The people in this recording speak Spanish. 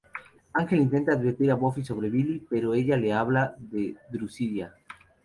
Ángel intenta advertir a Buffy sobre Billy pero ella le habla de Drusilla.